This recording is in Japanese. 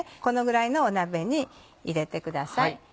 このぐらいの鍋に入れてください。